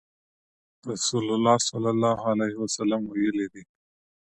رسول الله صلی الله عليه وسلم ويلي دي :